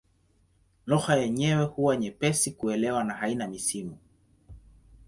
Lugha yenyewe huwa nyepesi kuelewa na haina misimu.